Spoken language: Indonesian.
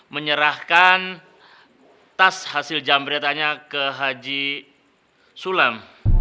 menyerahkan tas hasil jambretannya ke haji sulam